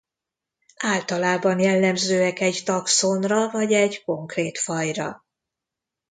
Általában jellemzőek egy taxonra vagy egy konkrét fajra.